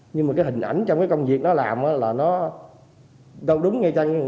nhưng mà cái hình ảnh trong cái công việc nó làm là nó đúng nghe chăng